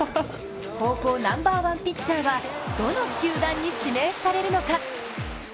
高校ナンバーワンピッチャーはどの球団に指名されるのか。